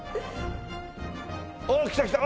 おお来た来た！